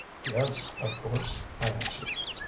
"Yes, of course," I answered.